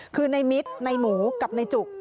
คือในมิตรในหมูกับนายจุก